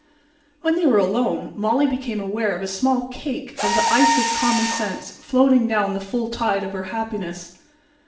When they were alone Molly became aware of a small cake of the ice of common sense floating down the full tide of her happiness.